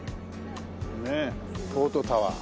ねえポートタワー。